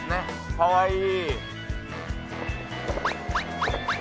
かわいい。